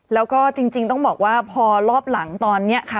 แล้วก็จริงต้องบอกว่าพอรอบหลังตอนนี้ค่ะ